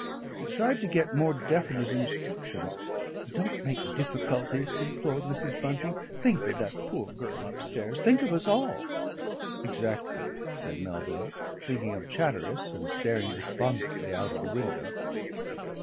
He tried to get more definite instructions. "Don't make difficulties," implored Mrs. Bunting. "Think of that poor girl upstairs. Think of us all." "Exactly," said Melville, thinking of Chatteris and staring despondently out of the window.